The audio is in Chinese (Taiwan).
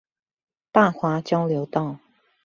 大華交流道